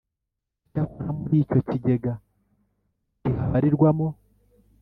Icyakora muri icyo kigega ntihabarirwamo